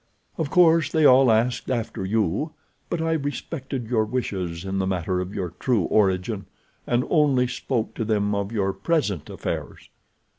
Of course they all asked after you, but I respected your wishes in the matter of your true origin, and only spoke to them of your present affairs.